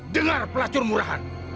dengar pelacur murahan